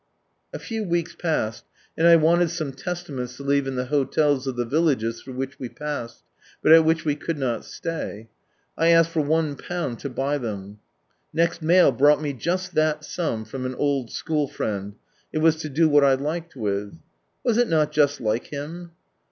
A few weeks passed, and I wanted some Testaments to leave in the hotels of the villages through which we passed, but at which we could not stay. I asked for £,\ to buy them. Next mail brought me just that sum, from an old school friend, it was '■ to do what I liked with." Was it not just like Him?